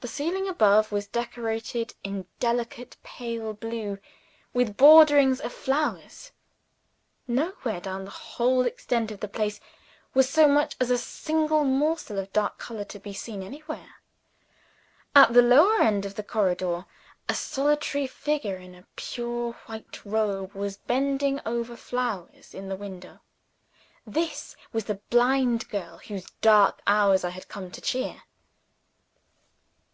The ceiling above was decorated in delicate pale blue, with borderings of flowers. Nowhere down the whole extent of the place was so much as a single morsel of dark color to be seen anywhere. At the lower end of the corridor, a solitary figure in a pure white robe was bending over the flowers in the window. This was the blind girl whose dark hours I had come to cheer.